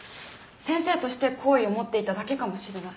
先生として好意を持っていただけかもしれない。